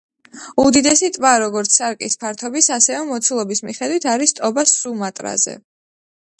უდიდესი ტბა, როგორც სარკის ფართობის, ასევე მოცულობის მიხედვით, არის ტობა სუმატრაზე.